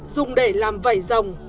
dùng để làm vẩy rồng